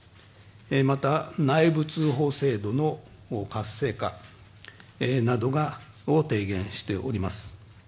また、内部通報制度の活性化などを提言しております。